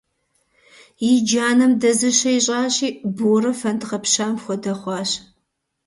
И джанэм дэзыщэ ищӏащи, Борэ фэнд гъэпщам хуэдэ хъуащ.